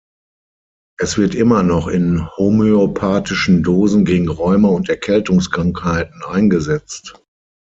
Es wird immer noch in homöopathischen Dosen gegen Rheuma und Erkältungskrankheiten eingesetzt.